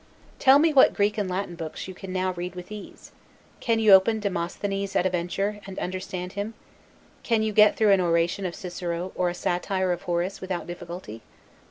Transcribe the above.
Tell me what Greek and Latin books you can now read with ease. Can you open Demosthenes at a venture, and understand him? Can you get through an "Oration" of Cicero, or a "Satire" of Horace, without difficulty?